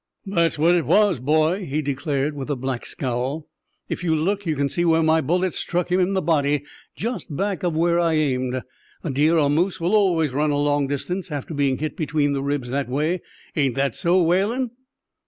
"That's what it was, boy," he declared, with a black scowl. "If you look, you can see where my bullet struck him in the body, just back of where I aimed. A deer or moose will always run a long distance after being hit between the ribs that way; ain't that so, Whalen?"